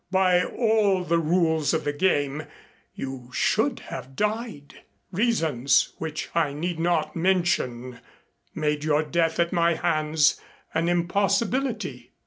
By all the rules of the game you should have died. Reasons which I need not mention made your death at my hands an impossibility.